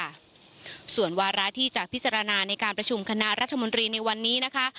ค่ะส่วนวาระที่จะพิจารณาในการประชุมคณะรัฐมนตรีในวันนี้นะคะ